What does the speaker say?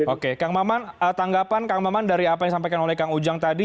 oke kang maman tanggapan kang maman dari apa yang disampaikan oleh kang ujang tadi